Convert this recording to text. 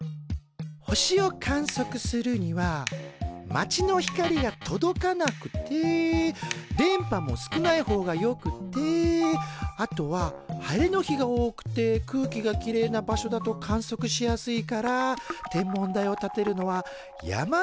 星を観測するには街の光が届かなくて電波も少ない方がよくてあとは晴れの日が多くて空気がきれいな場所だと観測しやすいから天文台を建てるのは山の上が一番なんだよ。